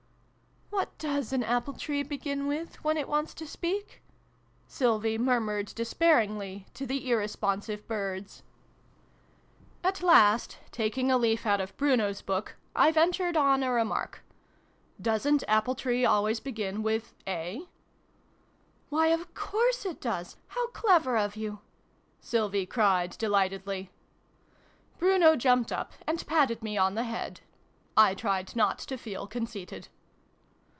" What does an Apple tree begin with, when it wants to speak ?" Sylvie murmured despair ingly, to the irresponsive birds. 224 SYLVIE AND BRUNO CONCLUDED. At last, taking a leaf out of Bruno's book, I ventured on a remark. " Doesn't ' Apple tree' always begin with 'Eh!'?" "Why, of course it does! How clever of you !" Sylvie cried delightedly. Bruno jumped up, and patted me on the head. I tried not to feel conceited.